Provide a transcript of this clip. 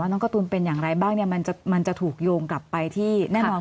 ว่าน้องกะตูนเป็นอย่างไรบ้างเนี่ยมันจะมันจะถูกโยงกลับไปที่แน่มอง